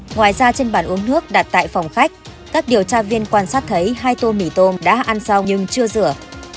ngoài ra trên bàn uống nước đặt tại phòng khách các điều tra viên quan sát thấy hai tô mì tôm đã ăn xong nhưng chưa rửa